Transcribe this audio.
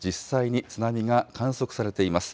実際に津波が観測されています。